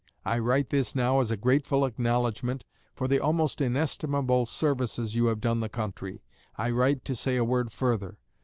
I write this now as a grateful acknowledgment for the almost inestimable services you have done the country. I write to say a word further.